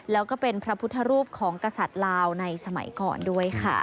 แล้วก็เป็นพระพุทธรูปของกษัตริย์ลาวในสมัยก่อนด้วยค่ะ